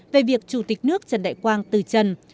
về việc chủ tịch nước trần đại quang từ trần